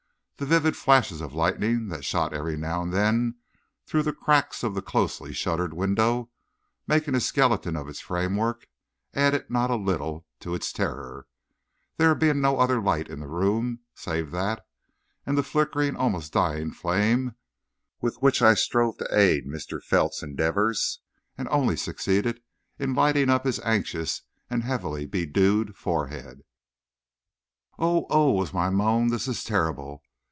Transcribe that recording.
The vivid flashes of lightning that shot every now and then through the cracks of the closely shuttered window, making a skeleton of its framework, added not a little to its terror, there being no other light in the room save that and the flickering, almost dying flame, with which I strove to aid Mr. Felt's endeavors and only succeeded in lighting up his anxious and heavily bedewed forehead. "Oh, oh!" was my moan; "this is terrible!